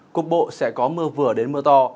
cục bộ sẽ có mưa vừa đến mưa to